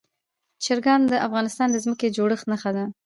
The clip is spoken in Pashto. چرګان د افغانستان د ځمکې د جوړښت نښه ده.